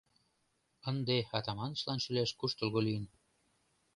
Ынде Атаманычлан шӱлаш куштылго лийын.